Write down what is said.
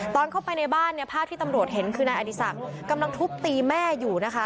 ตอนเข้าไปในบ้านเนี่ยภาพที่ตำรวจเห็นคือนายอดีศักดิ์กำลังทุบตีแม่อยู่นะคะ